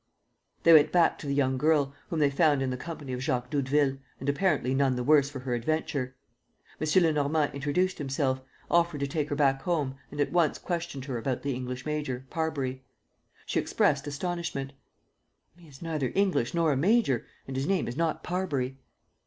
They went back to the young girl, whom they found in the company of Jacques Doudeville and apparently none the worse for her adventure. M. Lenormand introduced himself, offered to take her back home and at once questioned her about the English major, Parbury. She expressed astonishment: "He is neither English nor a major; and his name is not Parbury."